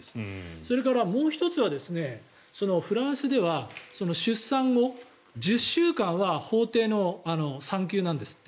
それから、もう１つはフランスでは出産後１０週間は法定の産休なんですって。